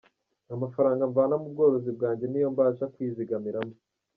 Amafaranga mvana mu bworozi bwanjye niyo mbasha kwizigamiramo.